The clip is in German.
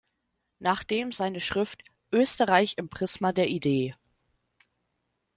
Nachdem seine Schrift "Österreich im Prisma der Idee.